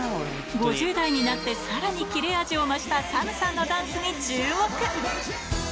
５０代になってさらに切れ味を増したＳＡＭさんのダンスに注目。